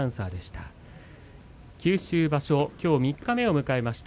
九州場所きょう三日目を迎えました。